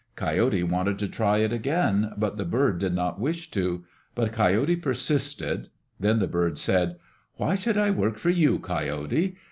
Coyote wanted to try it again, but the bird did not wish to. But Coyote persisted. Then the bird said, "Why should I work for you, Coyote?